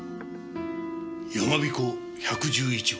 やまびこ１１１号。